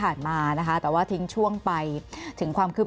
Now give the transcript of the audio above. แอนตาซินเยลโรคกระเพาะอาหารท้องอืดจุกเสียดแสบร้อน